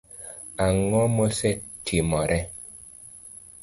Ang'o mosetimore?